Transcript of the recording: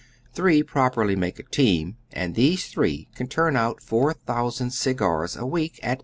Three properly make a team, and these three can turn out four thousand cigars a week, at $3,75.